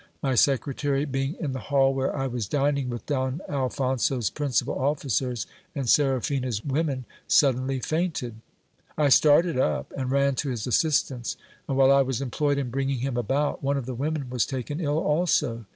My secretary, being in the hall where I was dining with Don Alphonso's principal officers and Seraphina's women, suddenly fainted. I started up and ran to his assistance ; and while I was employed in bringing him about, one of the women was taken ill also.